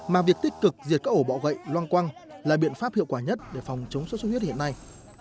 mà việc tích cực diệt các ổ bọ gậy loang quang là biện pháp hiệu quả nhất để phòng chống sốt xuất huyết hiện nay